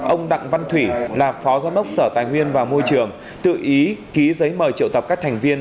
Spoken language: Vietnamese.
ông đặng văn thủy là phó giám đốc sở tài nguyên và môi trường tự ý ký giấy mời triệu tập các thành viên